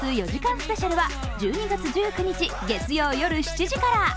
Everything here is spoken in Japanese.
スペシャルは１２月１９日、月曜夜７時から。